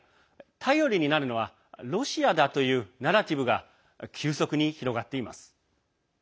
頼りになるのはロシアだというナラティブが急速に広がっています。